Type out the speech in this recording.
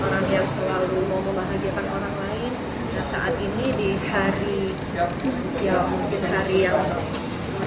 orang yang selalu membahagiakan orang lain saat ini di hari ya mungkin hari yang